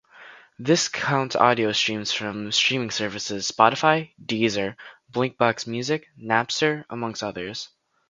This counts audio streams from streaming services Spotify, Deezer, Blinkbox Music, Napster, amongst others.